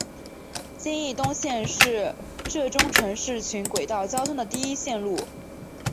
金义东线是浙中城市群轨道交通的第一条线路。